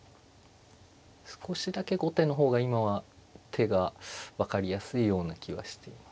少しだけ後手の方が今は手が分かりやすいような気はしています。